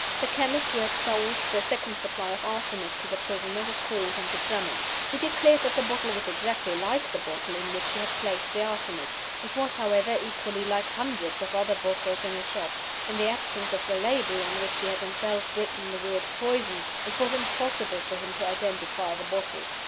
The chemist who had sold the second supply of arsenic to the prisoner was recalled and examined. He declared that the bottle was exactly like the bottle in which he had placed the arsenic. It was, however, equally like hundreds of other bottles in his shop. In the absence of the label (on which he had himself written the word "Poison"), it was impossible for him to identify the bottle.